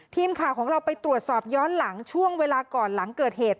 ทีมข่าวของเราไปตรวจสอบย้อนหลังช่วงเวลาก่อนหลังเกิดเหตุ